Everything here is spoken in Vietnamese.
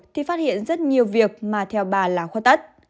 thì phát hiện rất nhiều việc mà theo bà là khuất tắt